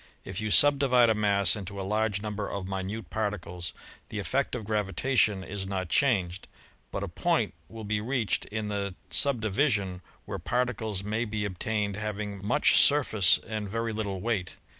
If you subdivide a mass into a large number of minute particles the effect of gravitation is not changed, but a point will be reached in the subdivi sion where particles may be obtained having much surface and very little weight.